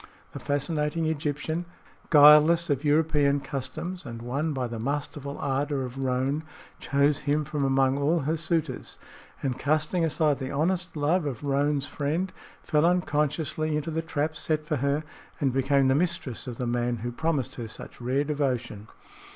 The fascinating Egyptian, guileless of European customs and won by the masterful ardor of Roane, chose him from among all her suitors, and casting aside the honest love of Roane's friend, fell unconsciously into the trap set for her and became the mistress of the man who promised her such rare devotion.